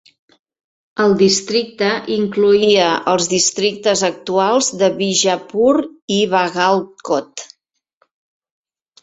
El districte incloïa els districtes actuals de Bijapur i Bagalkot.